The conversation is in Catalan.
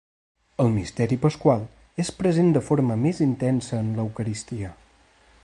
El Misteri Pasqual és present de forma més intensa en l'Eucaristia.